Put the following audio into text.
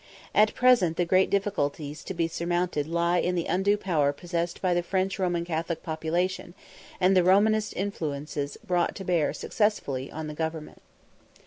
At present the great difficulties to be surmounted lie in the undue power possessed by the French Roman Catholic population, and the Romanist influences brought to bear successfully on the Government.